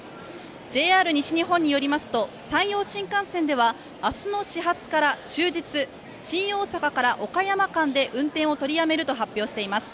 ＪＲ西日本によりますと山陽新幹線ではあすの始発から終日新大阪から岡山間で運転を取りやめると発表しています